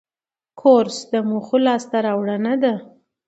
کورس د موخو لاسته راوړنه ده.